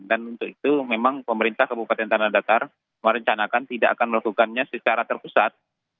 dan untuk itu memang pemerintah kabupaten tanah datar merencanakan tidak akan melakukannya secara terpusat